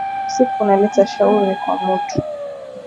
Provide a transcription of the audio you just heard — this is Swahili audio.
Usiku unaleta shauri kwa mutu